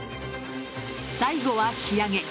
最後は仕上げ。